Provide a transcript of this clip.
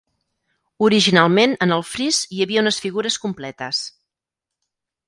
Originalment, en el fris hi havia unes figures completes.